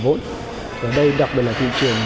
vốn ở đây đặc biệt là thị trường